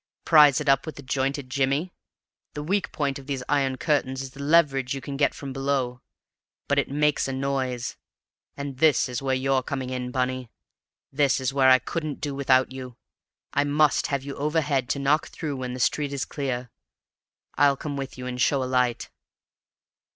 "Prise it up with the jointed jimmy. The weak point of these iron curtains is the leverage you can get from below. But it makes a noise, and this is where you're coming in, Bunny; this is where I couldn't do without you. I must have you overhead to knock through when the street's clear. I'll come with you and show a light."